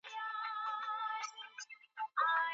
که کډوالو ته د څښاک پاکي اوبه ورسیږي، نو هغوی نه ناروغه کیږي.